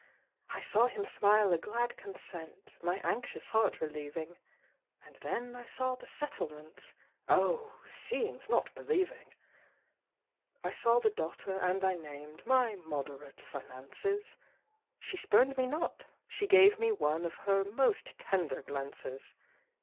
I saw him smile a glad consent, My anxious heart relieving, And then I saw the settlements Oh! seeing's not believing! I saw the daughter, and I named My moderate finances; She spurned me not, she gave me one Of her most tender glances.